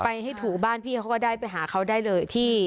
ไปให้ถูกบ้านพี่เขาก็ได้ไปหาเขาได้เลยที่